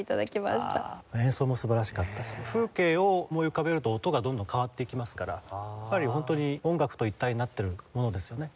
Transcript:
演奏も素晴らしかったし風景を思い浮かべると音がどんどん変わっていきますからやっぱりホントに音楽と一体になっているものですよね。